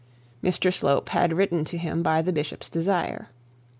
Mr Slope had written to him by the bishop's desire.